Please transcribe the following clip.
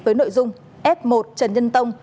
với nội dung f một trần nhân tông